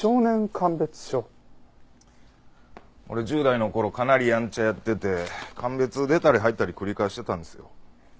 俺１０代の頃かなりヤンチャやってて鑑別出たり入ったり繰り返してたんですよ。